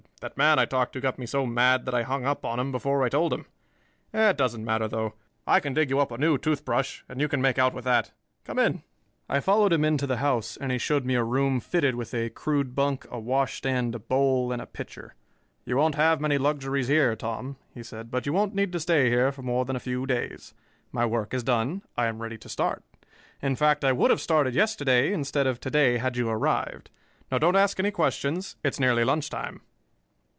"That man I talked to got me so mad that I hung up on him before I told him. It doesn't matter, though. I can dig you up a new toothbrush, and I guess you can make out with that. Come in." I followed him into the house, and he showed me a room fitted with a crude bunk, a washstand, a bowl and a pitcher. "You won't have many luxuries here, Tom," he said, "but you won't need to stay here for more than a few days. My work is done: I am ready to start. In fact, I would have started yesterday instead of to day, had you arrived. Now don't ask any questions; it's nearly lunch time."